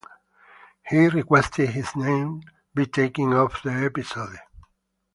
He requested his name be taken off the episode.